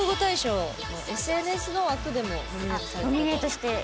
ＳＮＳの枠でもノミネートされた。